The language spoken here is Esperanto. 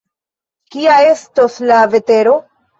Kia estos la vetero?